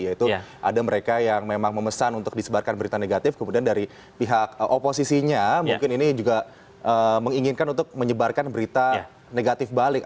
yaitu ada mereka yang memang memesan untuk disebarkan berita negatif kemudian dari pihak oposisinya mungkin ini juga menginginkan untuk menyebarkan berita negatif balik